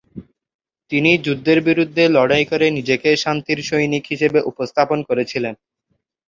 তিনি যুদ্ধের বিরুদ্ধে লড়াই করে নিজেকে "শান্তির সৈনিক" হিসাবে উপস্থাপন করেছিলেন।